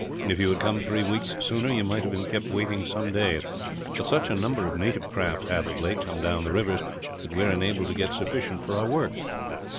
If you had come three weeks sooner, you might have been kept waiting some days; but such a number of native craft have, of late, come down the rivers that we are enabled to get sufficient for our work."